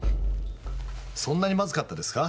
そんなにマズかったですか？